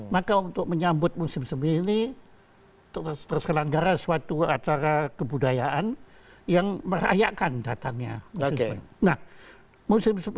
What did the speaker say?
maka untuk menyambut musim semi ini terselenggara suatu acara kebudayaan yang merayakan datangnya musim